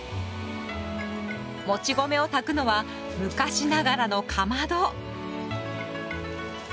もち米を炊くのは昔ながらのかまど。